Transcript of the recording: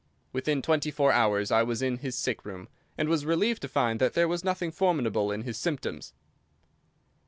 Within twenty four hours I was in his sick room, and was relieved to find that there was nothing formidable in his symptoms.